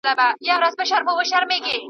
سياست ته يوازي د بډايه کسانو کار مه واياست.